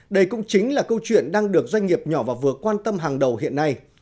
đây cũng chính là câu chuyện đang được doanh nghiệp nhỏ và vừa quan tâm hàng đầu hiện nay